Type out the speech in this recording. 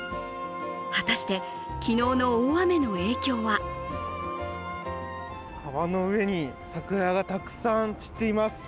果たして、昨日の大雨の影響は川の上に桜がたくさん散っています。